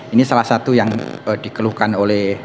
ini salah satu yang dikeluhkan oleh